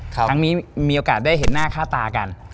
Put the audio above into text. ครั้งนี้มีโอกาสได้เห็นหน้าค่าตากัน